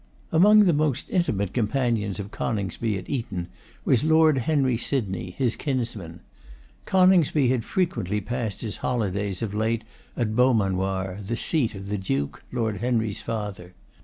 Among the most intimate companions of Coningsby at Eton, was Lord Henry Sydney, his kinsman. Coningsby had frequently passed his holydays of late at Beaumanoir, the seat of the Duke, Lord Henry's father.